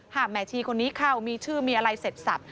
แม่ชีคนนี้เข้ามีชื่อมีอะไรเสร็จสับ